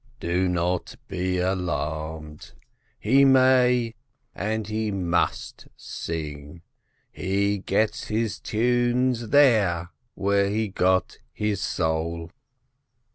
"Do not be alarmed, he may and he must sing. He gets his tunes there where he got his soul."